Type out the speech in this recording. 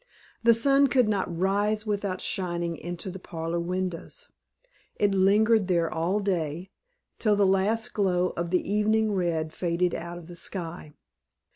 The sun could not rise without shining into the parlor windows; it lingered there all day, till the last glow of the evening red faded out of the sky.